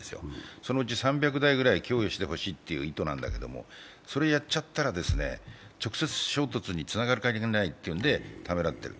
そのうち３００台ぐらい供与してほしいという意図なんだけれどもそれをやっちゃったら、直接衝突につながるかもしれないというのでためらってると。